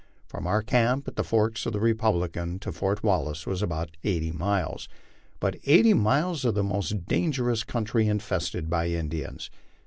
From our camp at the forks of the Republican to Fort Wallace was about eighty miles but eighty miles of the most dangerous country infested by Indians.